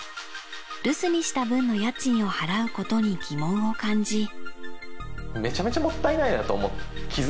留守にした分の家賃を払うことに疑問を感じ。